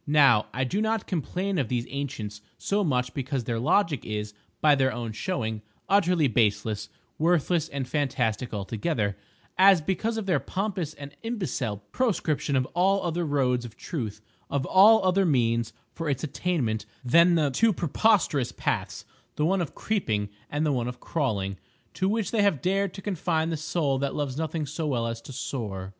Now I do not complain of these ancients so much because their logic is, by their own showing, utterly baseless, worthless and fantastic altogether, as because of their pompous and imbecile proscription of all other roads of Truth, of all other means for its attainment than the two preposterous paths—the one of creeping and the one of crawling—to which they have dared to confine the Soul that loves nothing so well as to soar.